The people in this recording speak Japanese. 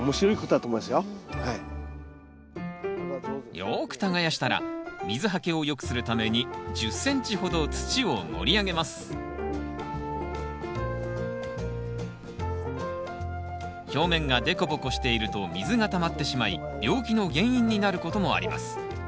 よく耕したら水はけを良くするために１０ｃｍほど土を盛り上げます表面が凸凹していると水がたまってしまい病気の原因になることもあります。